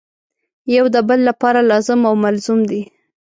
یو د بل لپاره لازم او ملزوم دي.